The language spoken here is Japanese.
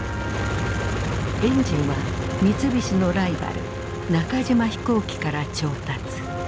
エンジンは三菱のライバル中島飛行機から調達。